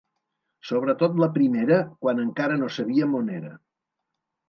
Sobretot la primera, quan encara no sabíem on era.